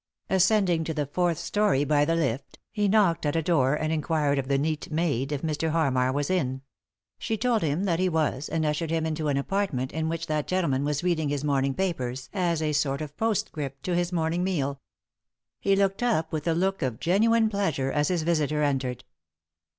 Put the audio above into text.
Ascending to the fourth storey by the lift, he knocked at a door, and inquired of the neat maid if Mr. Hannar was in. She told him that be was, and ushered him into an apartment in which that gentleman was reading bis morning papers as a sort of postscript to his morning meal. He looked up with a look of genuine pleasure as his visitor entered.